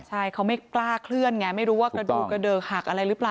ใช่เขาไม่กล้าเคลื่อนไงไม่รู้ว่ากระดูกกระเดิกหักอะไรหรือเปล่า